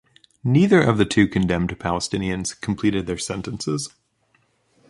Neither of the two condemned Palestinians completed their sentences.